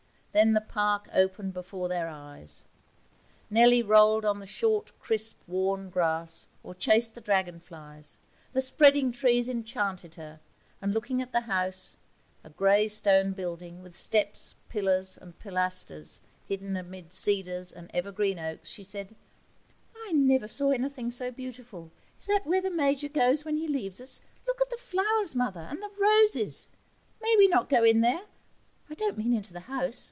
Then the park opened before their eyes. Nellie rolled on the short, crisp, worn grass, or chased the dragonflies; the spreading trees enchanted her, and, looking at the house a grey stone building with steps, pillars, and pilasters, hidden amid cedars and evergreen oaks she said, 'I never saw anything so beautiful; is that where the Major goes when he leaves us? Look at the flowers, Mother, and the roses. May we not go in there I don't mean into the house?